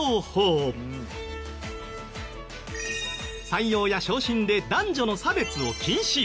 採用や昇進で男女の差別を禁止。